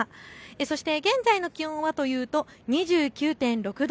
そして現在の気温はというと２９．６度。